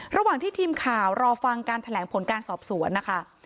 ระหว่างที่ทีมข่าวรอฟังการแถลงผลการสอบสวนนะคะ